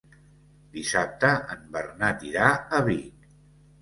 Dissabte en Bernat irà a Vic.